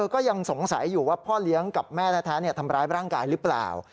ก็ยังสงสัยอยู่ว่าพ่อเลี้ยงกับแม่แท้ทำร้ายร่างกายหรือเปล่า